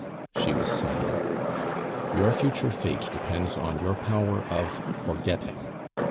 She was silent. "Your future fate depends on your power of forgetting.